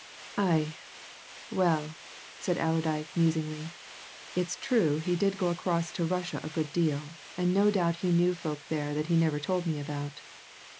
"Aye, well," said Allerdyke musingly, "it's true he did go across to Russia a good deal, and no doubt he knew folk there that he never told me about."